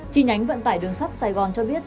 chi nhánh vận tải đường sắt sài gòn cho biết